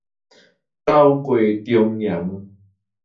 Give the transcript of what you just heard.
九月重陽